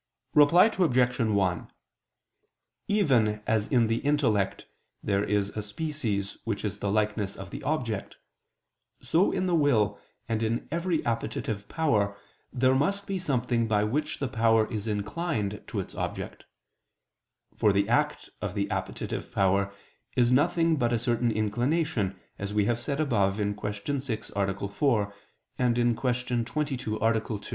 Reply Obj. 1: Even as in the intellect there is a species which is the likeness of the object; so in the will, and in every appetitive power there must be something by which the power is inclined to its object; for the act of the appetitive power is nothing but a certain inclination, as we have said above (Q. 6, A. 4; Q. 22, A. 2).